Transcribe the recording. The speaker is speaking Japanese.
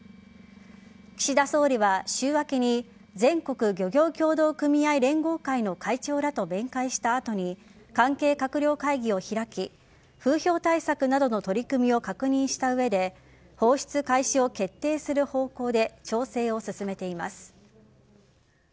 岸田総理は週明けに全国漁業協同組合連合会の会長らと面会した後に関係閣僚会議を開き風評対策などの取り組みを確認した上で放出開始を決定する方向で調整を進めています。